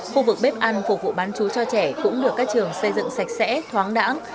khu vực bếp ăn phục vụ bán chú cho trẻ cũng được các trường xây dựng sạch sẽ thoáng đẳng